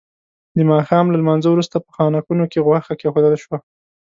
د ماښام له لمانځه وروسته په خانکونو کې غوښه کېښودل شوه.